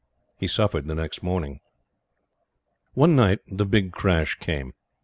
He suffered next morning. One night, the big crash came.